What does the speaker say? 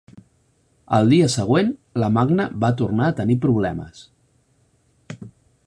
El dia següent, la Magne va tornar a tenir problemes.